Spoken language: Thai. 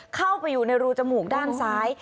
เข้าไปอยู่ในรูจมูกด้านซ้าย